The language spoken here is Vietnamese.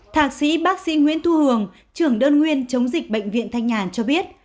thạc sĩ bác sĩ nguyễn thu hường trưởng đơn nguyên chống dịch bệnh viện thanh nhàn cho biết